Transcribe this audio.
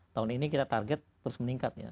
tahun ini kita target terus meningkat ya